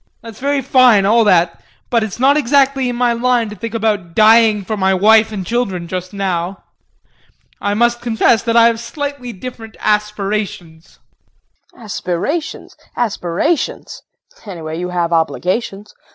That's all very fine all that, but it's not exactly in my line to think about dying for my wife and children just now. I must confess that I have slightly different aspirations. KRISTIN. Aspirations? Aspirations anyway you have obligations.